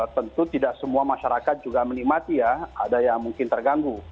tentu tidak semua masyarakat juga menikmati ya ada yang mungkin terganggu